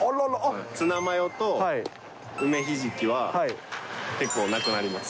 ツナマヨと梅ひじきは結構なくなります。